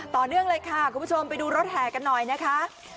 ต่อเนื่องเลยค่ะคุณผู้ชมไปดูรถแห่กันหน่อยนะคะ